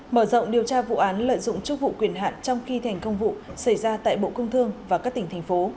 mở rộng điều tra vụ án lợi dụng chức vụ quyền hạn trong khi thành công vụ xảy ra tại bộ công thương và các tỉnh thành phố